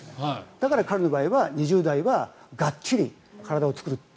だから彼の場合は２０代はがっちり体を作ると。